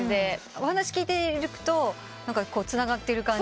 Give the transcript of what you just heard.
お話聞いてるとつながってる感じは。